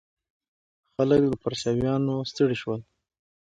خلک له پرچاوینو ستړي شول.